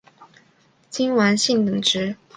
金丸信等职。